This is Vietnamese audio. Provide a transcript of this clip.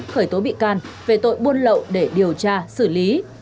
khởi tố bị can về tội buôn lậu để điều tra xử lý